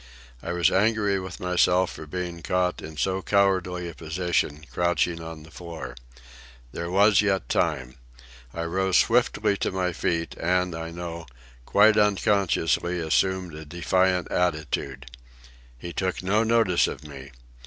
I was angry with myself for being caught in so cowardly a position, crouching on the floor. There was yet time. I rose swiftly to my feet, and, I know, quite unconsciously assumed a defiant attitude. He took no notice of me.